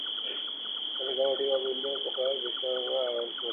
এরা ভেজা মাটি থেকে বা বিভিন্ন প্রাণীর বিষ্ঠা থেকে রস আহরণ করে থাকে।